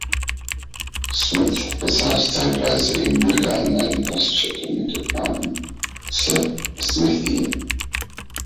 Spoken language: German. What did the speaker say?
Smith besaß zeitweise in Wigan eine Gaststätte mit dem Namen „The Smithy“.